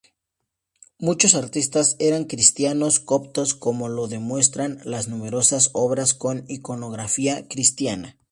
Muchos artistas eran cristianos coptos, como lo demuestran las numerosas obras con iconografía cristiana.